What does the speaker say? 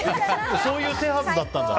そういう手はずだったんだ。